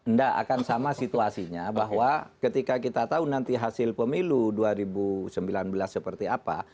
enggak akan sama situasinya bahwa ketika kita tahu nanti hasil pemilu dua ribu sembilan belas seperti apa